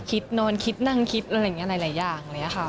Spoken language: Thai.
คิดนอนคิดนั่งคิดอะไรอย่างนี้ค่ะ